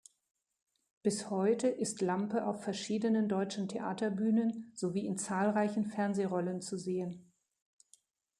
Bis heute ist Lampe auf verschiedenen deutschen Theaterbühnen sowie in zahlreichen Fernsehrollen zu sehen.